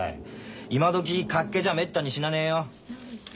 今どき脚気じゃめったに死なねえよ。